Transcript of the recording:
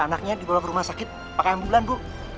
anaknya dibawa ke rumah sakit pakaian bulan bu